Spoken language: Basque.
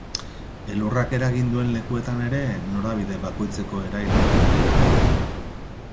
Elurrak eragin duen lekuetan ere norabide bakoitzeko erail bat ireki dute.